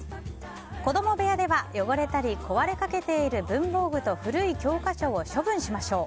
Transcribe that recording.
子供部屋では汚れたり壊れかけている文房具と古い教科書を処分しましょう。